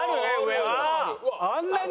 あんなに！